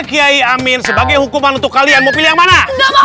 kiai amin sebagai hukuman untuk kalian mau pilih yang mana